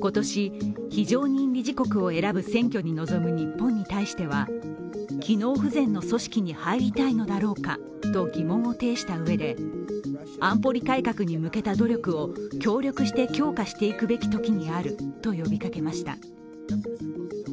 今年、非常任理事国を選ぶ選挙に臨む日本に対しては機能不全の組織に入りたいのだろうかと疑問を呈したうえで安保理改革に向けた努力を協力して強化していくべき時にあると呼びかけました。